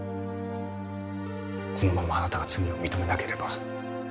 このままあなたが罪を認めなければ